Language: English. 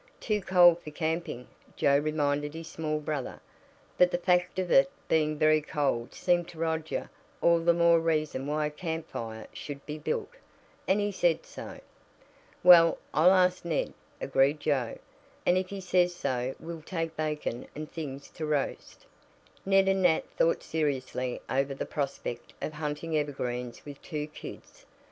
"Too cold for camping," Joe reminded his small brother. But the fact of it being very cold seemed to Roger all the more reason why a campfire should be built, and he said so. "Well, I'll ask Ned," agreed Joe, "and if he says so we'll take bacon and things to roast." Ned and Nat thought seriously over the prospect of hunting evergreens with two "kids."